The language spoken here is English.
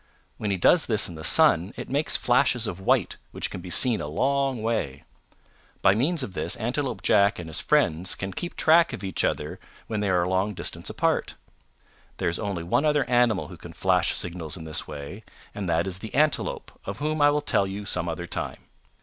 When he does this in the sun it makes flashes of white which can be seen a long way. By means of this Antelope Jack and his friends can keep track of each other when they are a long distance apart. There is only one other animal who can flash signals in this way, and that is the Antelope of whom I will tell you some other time.